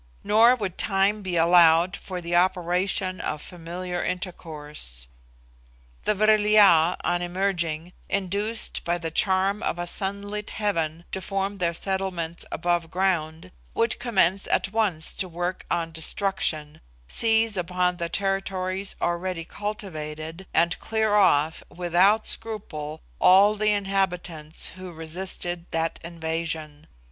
Nor would time be allowed for the operation of familiar intercourse. The Vril ya, on emerging, induced by the charm of a sunlit heaven to form their settlements above ground, would commence at once the work of destruction, seize upon the territories already cultivated, and clear off, without scruple, all the inhabitants who resisted that invasion.